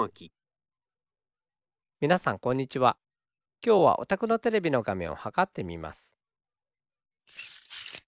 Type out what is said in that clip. きょうはおたくのテレビのがめんをはかってみます。